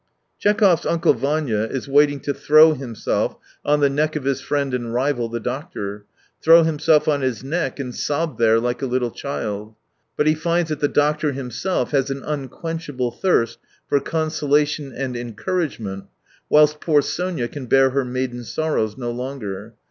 Tchekhov's " Uncle Vanya " is waiting 95 to throw himself on the neck of his friend and rival, the doctor, throw himself on his neck and sob there like a little child. But he finds that the doctor himself has an unquenchable thirst for consolation and encouragement, whilst poor Sonia can bear her maiden sorrows no longer.